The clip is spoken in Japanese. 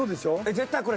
絶対これ。